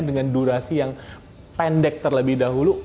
dengan durasi yang pendek terlebih dahulu